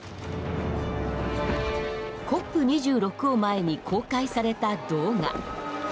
ＣＯＰ２６を前に公開された動画。